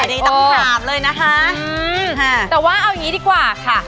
อันนี้ต้องถามเลยนะคะแต่ว่าเอาอย่างนี้ดีกว่าค่ะ